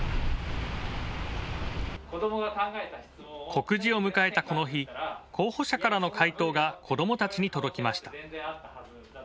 告示を迎えたこの日、候補者からの回答が子どもたちに届きました。